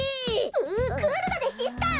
うクールだぜシスター！